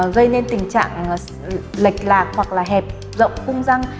gây nên tình trạng lệch lạc hoặc là hẹp rộng cung răng